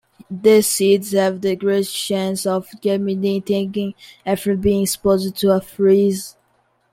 The seeds have the greatest chance of germinating after being exposed to a freeze.